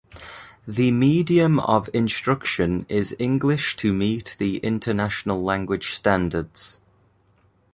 The medium of instruction is English to meet the international language standards.